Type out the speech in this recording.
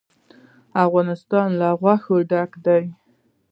افغانستان له غوښې ډک دی.